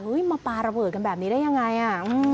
มาปลาระเบิดกันแบบนี้ได้ยังไงอ่ะ